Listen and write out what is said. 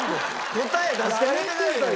答え出してあげてくださいよ。